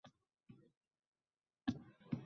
Biz ham aytsak bo’lar, lekin